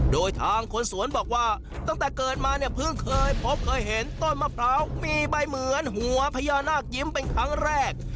โดยทางคนสวนบอกว่าตั้งแต่เกิดมาเนี่ยเพิ่งเคยพบเคยเห็นต้นมะพร้าวมีใบเหมือนหัวพญานาคยิ้มเป็นครั้งแรก